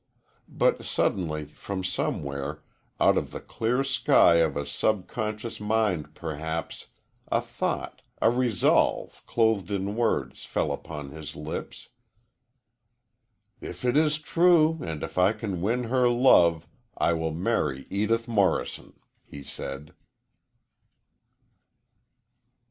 But suddenly, from somewhere out of the clear sky of a sub conscious mind, perhaps a thought, a resolve, clothed in words, fell upon his lips. "If it is true, and if I can win her love, I will marry Edith Morrison," he said.